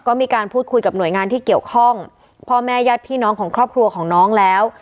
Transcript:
ก็มีการพูดคุยกับหน่วยงานที่เกี่ยวข้องพ่อแม่ญาติพี่น้องของครอบครัวของน้องแล้ว